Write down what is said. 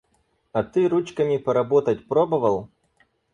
А ты ручками поработать пробовал?